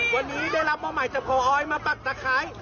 วันนี้ได้รับออกมาจากพอมาปักตะไคร้